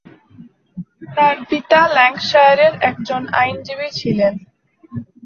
তার পিতা ল্যাঙ্কাশায়ারের একজন আইনজীবী ছিলেন।